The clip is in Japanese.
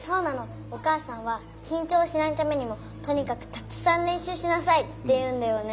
お母さんはきんちょうしないためにもとにかくたくさんれんしゅうしなさいって言うんだよね。